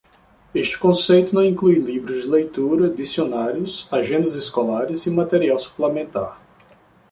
Este conceito não inclui livros de leitura, dicionários, agendas escolares e material suplementar.